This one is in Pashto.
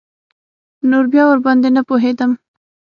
نور بيا ورباندې نه پوهېدم.